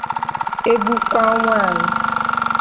egbukwa nwanyị